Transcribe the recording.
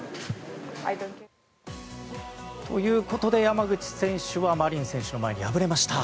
ということで山口選手はマリン選手の前に敗れました。